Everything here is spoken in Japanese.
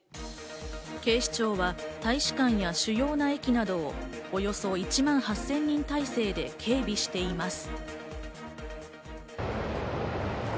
警視庁は大使館や主要な駅などをおよそ１万８０００人態勢で警備しています。